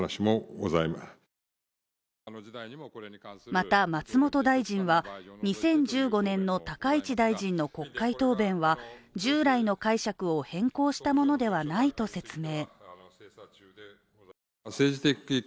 また、松本大臣は２０１５年の高市大臣の国会答弁は従来の解釈を変更したものではないと説明。